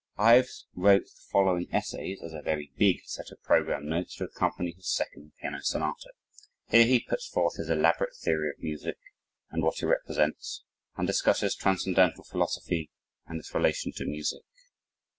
Ives wrote the following essays as a (very big) set of program notes to accompany his second piano sonata. Here, he puts forth his elaborate theory of music and what it represents, and discusses Transcendental philosophy and its relation to music.